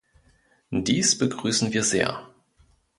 Dies begrüßen wir sehr.